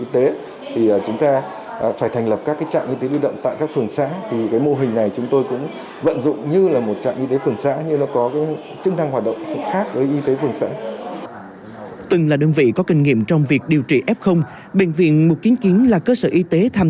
từng là đơn vị có kinh nghiệm trong việc điều trị f bệnh viện mục kiến kiến là cơ sở y tế tham